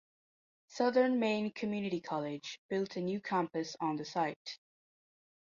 Southern Maine Community College built a new campus on the site.